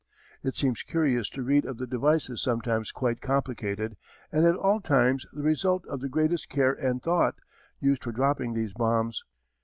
It seems curious to read of the devices sometimes quite complicated and at all times the result of the greatest care and thought, used for dropping these bombs.